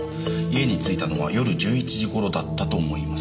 「家に着いたのは夜１１時頃だったと思います」